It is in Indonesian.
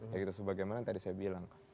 ya gitu sebagaimana yang tadi saya bilang